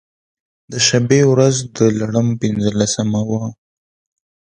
د شبې و رځ د لړم پنځلسمه وه.